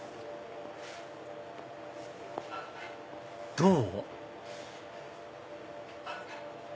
どう？